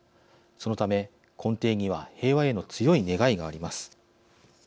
そのため根底には平和への強い願いがあります。